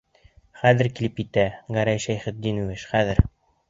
Хәҙер килеп етә, Гәрәй Шәйхетдинович, хәҙер...